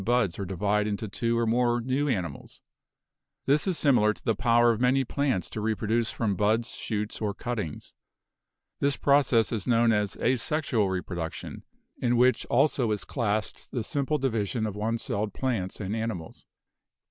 megaspore; p. t., pollen tube. (Parker.) the power of many plants to reproduce from buds, shoots or cuttings. This process is known as asexual reproduc tion, in which also is classed the simple division of one celled plants and animals.